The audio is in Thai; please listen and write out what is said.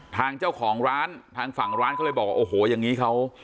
ทางเจ้าของร้านทางฝั่งร้านก็เลยบอกว่าโอ้โหอย่างนี้เขา